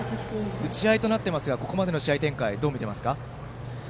打ち合いとなっていますがここまでの試合展開どう見ていますか？